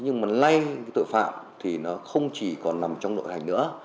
nhưng mà lây tội phạm thì nó không chỉ còn nằm trong nội hành nữa